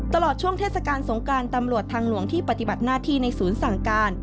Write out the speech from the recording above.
ตลอดช่วงเทศกาลสงการตำรวจทางหลวงที่ปฏิบัติหน้าที่ในศูนย์สั่งการ